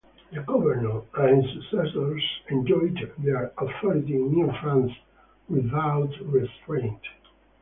The governor and his successors enjoyed their authority in New France without restraint.